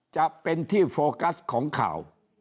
จะเป็นที่โฟกัสของข่าว